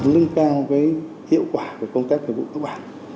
nâng cao hiệu quả công tác về vụ các bản